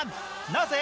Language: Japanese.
なぜ？